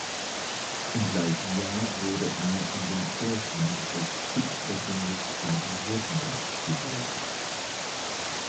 Im gleichen Jahr wurde er in den Vorstand des "Künstlerbundes Baden-Württemberg" gewählt.